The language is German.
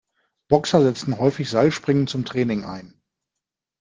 Boxer setzen häufig Seilspringen zum Training ein.